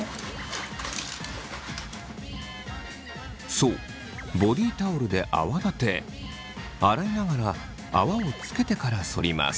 そうボディタオルで泡立て洗いながら泡をつけてからそります。